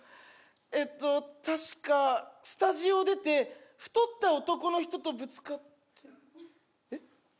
えっと確かスタジオを出て太った男の人とぶつかってえっ？